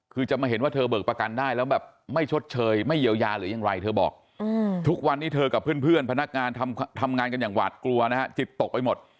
คือจะมาเห็นว่าเธอเบิกประกันได้แล้วแบบไม่ชดเชยไม่เยียวยาหรือยังไรเธอบอกทุกวันนี้เธอกับเพื่อนพนักงานทำงานกันอย่างหวาดกลัวนะฮะจิตตกไปหมด